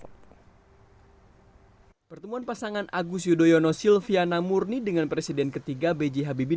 pertemuan pasangan agus yudhoyono silviana murni dengan presiden ketiga b j habibie